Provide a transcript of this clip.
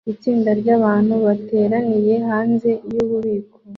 Itsinda ryabantu bateranira hanze yububiko